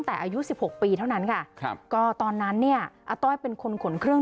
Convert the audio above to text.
แต่อายุสิบหกปีเท่านั้นค่ะครับก็ตอนนั้นเนี่ยอาต้อยเป็นคนขนเครื่อง